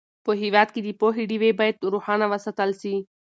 په هېواد کې د پوهې ډېوې باید روښانه وساتل سي.